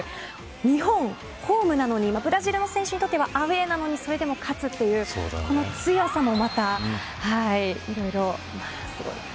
日本、ホームなのにブラジルの選手にとってはアウェーなのにそれでも勝つという強さもいろいろすごいな。